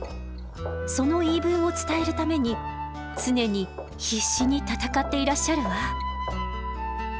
その言い分を伝えるために常に必死に戦っていらっしゃるわ。